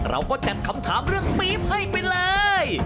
เราก็จัดคำถามเรื่องปี๊บให้ไปเลย